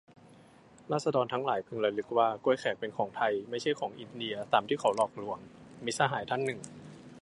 "ราษฎรทั้งหลายพึงระลึกว่า กล้วยแขกเป็นของไทย ไม่ใช่ของอินเดียตามที่เขาหลอกลวง" - มิตรสหายท่านหนึ่ง